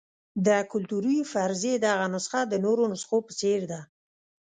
د کلتوري فرضیې دغه نسخه د نورو نسخو په څېر ده.